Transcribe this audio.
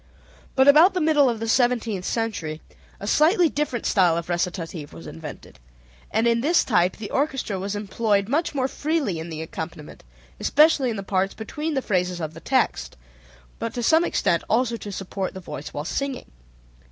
But about the middle of the seventeenth century a slightly different style of recitative was invented, and in this type the orchestra was employed much more freely in the accompaniment, especially in the parts between the phrases of the text, but to some extent also to support the voice while singing.